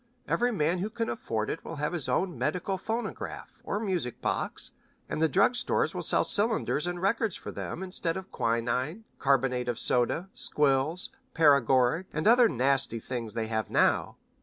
Every man who can afford it will have his own medical phonograph, or music box, and the drug stores will sell cylinders and records for them instead of quinine, carbonate of soda, squills, paregoric, and other nasty tasting things they have now.